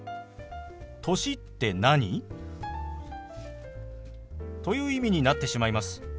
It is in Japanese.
「歳って何？」という意味になってしまいます。